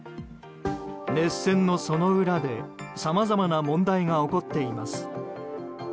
熱戦のその裏で、さまざまな問題が起こっています。